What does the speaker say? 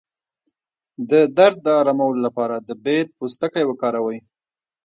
د درد د ارامولو لپاره د بید پوستکی وکاروئ